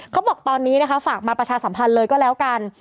เขาบอกตอนนี้นะคะฝากมาประชาสัมพันธ์เลยก็แล้วกัน